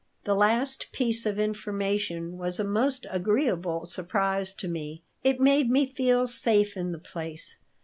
The last piece of information was a most agreeable surprise to me. It made me feel safe in the place.